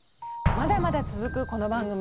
まだまだ続くこの番組。